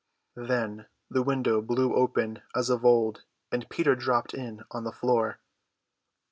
Then the window blew open as of old, and Peter dropped in on the floor.